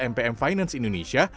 mpm finance indonesia